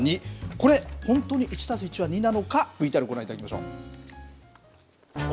これ、本当に１＋１は２なのか、ＶＴＲご覧いただきましょう。